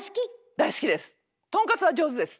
大好きです。